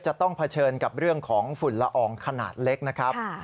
ต้องเผชิญกับเรื่องของฝุ่นละอองขนาดเล็กนะครับ